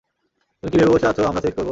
তুমি কি ভেবে বসে আছো আমরা সেক্স করব?